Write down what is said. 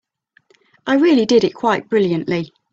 I really did it quite brilliantly.